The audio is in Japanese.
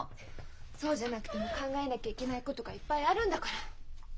そうじゃなくても考えなきゃいけないことがいっぱいあるんだから！